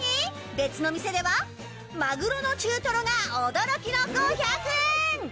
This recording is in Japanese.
別の店ではマグロの中トロが驚きの５００円。